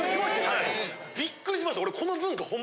はいびっくりしました。